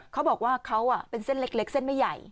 เขาบอกว่าเขาเป็นเส้นเล็กเส้นไม่ใหญ่